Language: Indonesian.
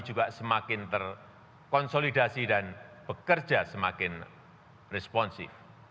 juga semakin terkonsolidasi dan bekerja semakin responsif